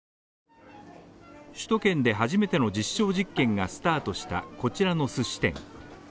首都圏で初めての実証実験がスタートしたこちらの寿司店。